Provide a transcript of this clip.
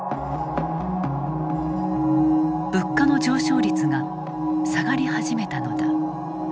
物価の上昇率が下がり始めたのだ。